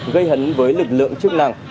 gây hấn với lực lượng chức năng